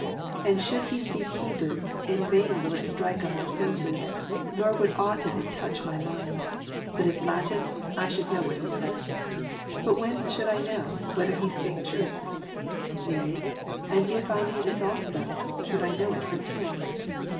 And should he speak Hebrew, in vain will it strike on my senses, nor would ought of it touch my mind ; but if Latin, I should know what he said. But whence should I know, whether he spake truth ? Yea, and if I knew this also, should I know it from him